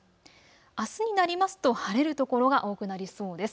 あすになりますと晴れる所が多くなりそうです。